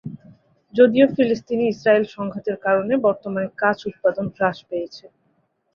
যদিও ফিলিস্তিনি-ইসরায়েল সংঘাতের কারণে বর্তমানে কাচ উৎপাদন হ্রাস পেয়েছে।